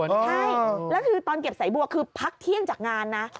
ใช่แล้วคือตอนเก็บสายบัวคือพักเที่ยงจากงานนะ